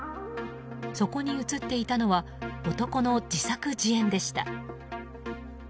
そこに映っていたのは男の自作自演でした。